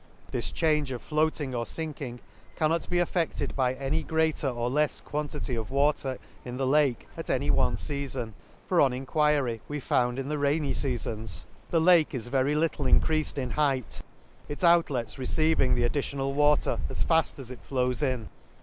— This change of floating or finking cannot be effected by any greater or lefs quantity of water in the Lake, at any one feafon; for on enquiry we found in the rainy feafons the Lake is very little encreafed in height, its outlets receiving the additional water as fall as it flows in.